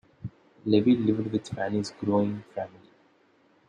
Levi lived with Fanny's growing family.